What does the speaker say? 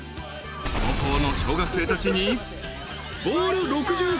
［母校の小学生たちにボール６３個爆買い］